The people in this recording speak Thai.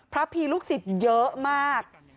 พีลูกศิษย์เยอะมาก